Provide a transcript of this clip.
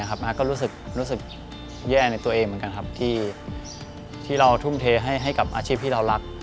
อาร์ก็รู้สึกแย่ในตัวเองเหมือนกันครับที่เราทุ่มเทให้กับอาชีพที่เรารัก